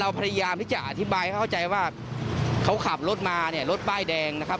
พยายามที่จะอธิบายให้เข้าใจว่าเขาขับรถมาเนี่ยรถป้ายแดงนะครับ